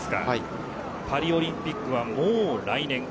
パリオリンピックは来年です。